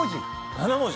７文字？